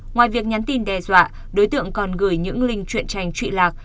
ngoài việc nhắn tin đe dọa đối tượng còn gửi những linh truyện tranh trụy lạc